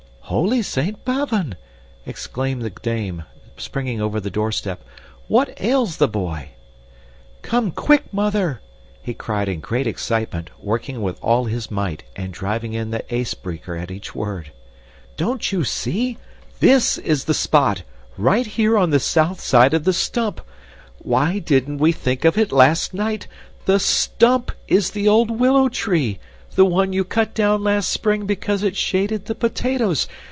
"Holy Saint Bavon!" exclaimed the dame, springing over the doorstep. "What ails the boy!" "Come quick, Mother," he cried in great excitement, working with all his might and driving in the ysbreeker at each word. "Don't you see? THIS is the spot right here on the south side of the stump. Why didn't we think of it last night? THE STUMP is the old willow tree the one you cut down last spring because it shaded the potatoes.